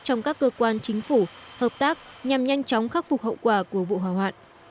trong các cơ quan chính phủ hợp tác nhằm nhanh chóng khắc phục hậu quả của vụ hỏa hoạn